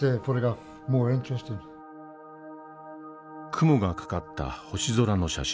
雲がかかった星空の写真。